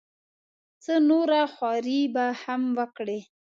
څه نوره خواري به هم وکړي.